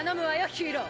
ヒーロー！